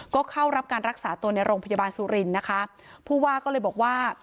ก็เข้ารับการรักษาตัวในโรงพยาบาลสุรินทร์นะคะผู้ว่าก็เลยบอกว่า